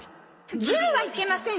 「ずるはいけません！」